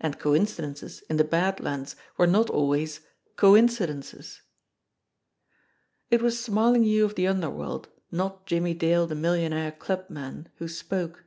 And coincidences in the Bad Lands were not always coin cidences ! It was Smarlinghue of the underworld, not Jimmie Dale the millionaire clubman, who spoke.